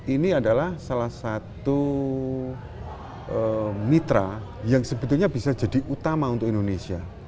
ini adalah salah satu mitra yang sebetulnya bisa jadi utama untuk indonesia